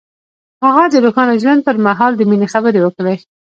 هغه د روښانه ژوند پر مهال د مینې خبرې وکړې.